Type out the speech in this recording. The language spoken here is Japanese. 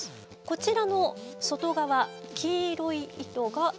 こちらの外側黄色い糸が。